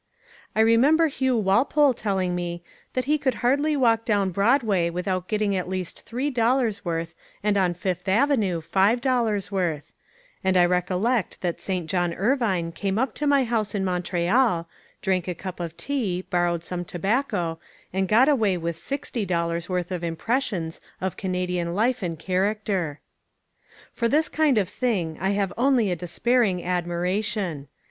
I remember Hugh Walpole telling me that he could hardly walk down Broadway without getting at least three dollars' worth and on Fifth Avenue five dollars' worth; and I recollect that St. John Ervine came up to my house in Montreal, drank a cup of tea, borrowed some tobacco, and got away with sixty dollars' worth of impressions of Canadian life and character. For this kind of thing I have only a despairing admiration.